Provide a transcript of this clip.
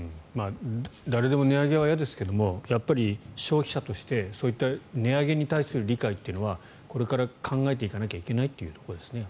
誰でも値上げは嫌ですけど消費者としてそういった値上げに対する理解というのはこれから考えていかなきゃいけないというところですね。